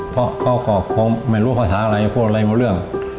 พ่อเขาก็ไม่รู้ข้อท้ายอะไรพูดอะไรหมดเรื่อง